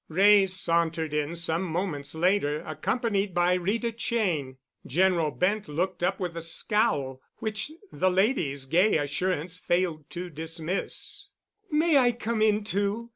Wray sauntered in some moments later, accompanied by Rita Cheyne. General Bent looked up with a scowl, which the lady's gay assurance failed to dismiss. "May I come in, too?"